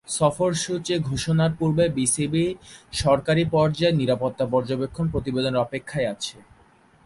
সফর সূচী ঘোষণার পূর্বে বিসিবি সরকারী পর্যায়ে নিরাপত্তা পর্যবেক্ষণ প্রতিবেদনের অপেক্ষায় আছে।